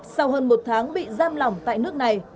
sau hơn một tháng bị giam lỏng tại nước này